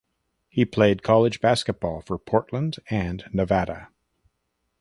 He played college basketball for Portland and Nevada.